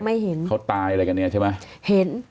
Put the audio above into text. เห็นเขาตายอะไรกันเนี่ยใช่ไหมเห็น